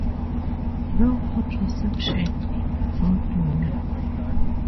No Contraception, No Dole.